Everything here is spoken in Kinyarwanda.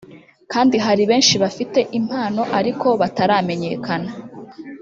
kandi hari benshi bafite impano ariko bataramenyekana